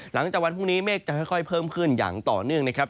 หลังจากวันพรุ่งนี้เมฆจะค่อยเพิ่มขึ้นอย่างต่อเนื่องนะครับ